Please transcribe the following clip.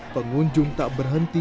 pengunjung tak berhenti